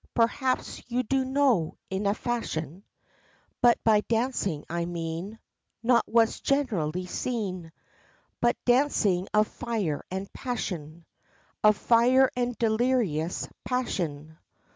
Perhaps, you do know, in a fashion; But by dancing I mean, Not what's generally seen, But dancing of fire and passion, Of fire and delirious passion.